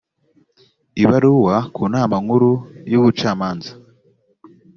ibaruwa ku nama nkuru y’ubucamanza